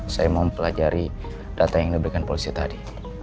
saya mempelajari data yang diberikan polisi tadi